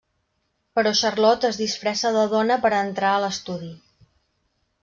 Però Charlot es disfressa de dona per entrar a l'estudi.